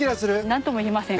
何とも言えません。